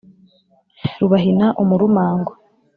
rubahina umurumango